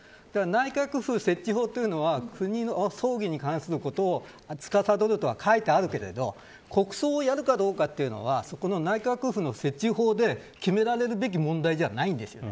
内閣府設置法は国の葬儀に関することをつかさどるとは書いてあるけど国葬をやるかどうかというのは内閣府の設置法で決められるべき問題じゃないんです。